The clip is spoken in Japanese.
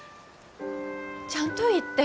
ちゃんと言って。